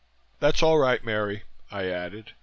"That's all right, Mary," I added.